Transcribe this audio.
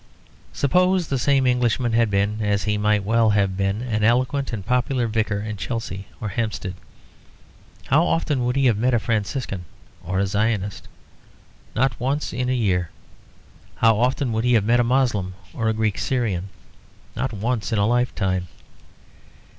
Suppose the same Englishman had been, as he might well have been, an eloquent and popular vicar in Chelsea or Hampstead. How often would he have met a Franciscan or a Zionist? Not once in a year. How often would he have met a Moslem or a Greek Syrian? Not once in a lifetime.